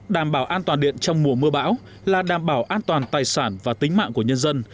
đảm bảo an toàn điện trong mùa mưa bão là đảm bảo an toàn tài sản và tính mạng của nhân dân